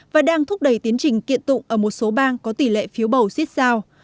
và đang thúc đẩy tiến trình kiện tụng ở một số bang có tỷ lệ phiếu bầu xích sao